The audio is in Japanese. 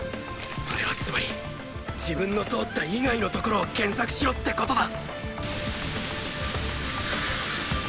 それはつまり自分の通った以外の所を検索しろってことだ！